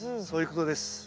そういうことです。